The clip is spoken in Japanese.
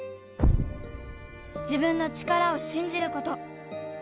自分の力を信じること